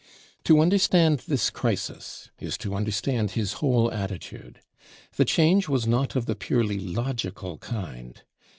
To understand this crisis is to understand his whole attitude. The change was not of the purely logical kind.